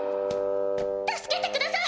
助けてください！